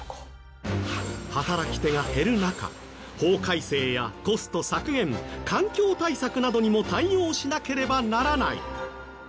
働き手が減る中法改正やコスト削減環境対策などにも対応しなければならない。